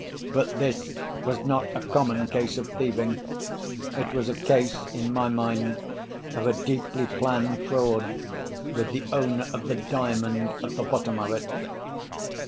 But this was not a common case of thieving. It was a case—in my mind—of a deeply planned fraud, with the owner of the Diamond at the bottom of it.